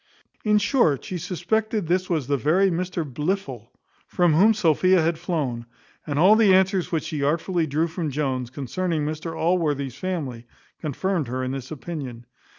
In short, she suspected this was the very Mr Blifil, from whom Sophia had flown; and all the answers which she artfully drew from Jones, concerning Mr Allworthy's family, confirmed her in this opinion.